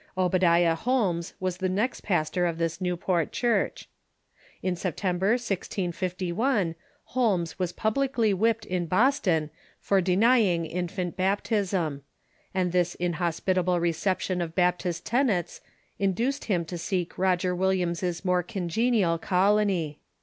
Obadiah Holmes was the next pastor of this Newport church. In September, 1651, Holmes was publicly whipped in Boston for denying infant baptism; and this inhospitable reception of Baptist tenets in THE BAPTIST CHURCn 517 diiced him to seek Roger Williams's more congenial colony.